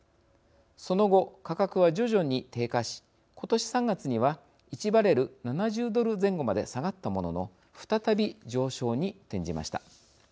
その後、価格は徐々に低下し今年３月には１バレル７０ドル前後まで下がったものの再び上昇に転じました。